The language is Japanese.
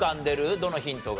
どのヒントが。